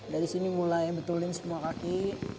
dari sini mulai betulin semua kaki